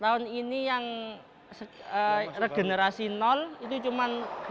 tahun ini yang regenerasi nol itu cuma